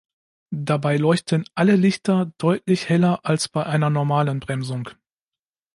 Dabei leuchten alle Lichter deutlich heller als bei einer normalen Bremsung.